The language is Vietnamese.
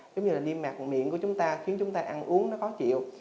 giống như là niêm mạc miệng của chúng ta khiến chúng ta ăn uống nó khó chịu